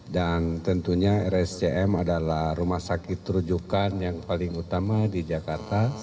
dan tentunya lscm adalah rumah sakit rujukan yang paling utama di jakarta